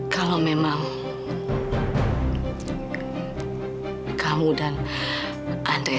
terima kasih tante